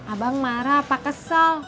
abang marah apa kesel